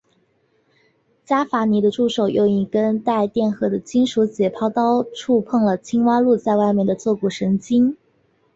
伽伐尼的助手用一根带电荷的金属解剖刀触碰了青蛙露在外面的坐骨神经。